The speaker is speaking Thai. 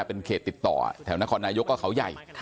เป็นเขตติดต่อแถวนครนายกก็เขาใหญ่